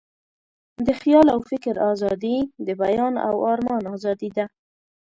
د خیال او فکر آزادي، د بیان او آرمان آزادي ده.